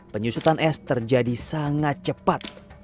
penyusutan es terjadi sangat cepat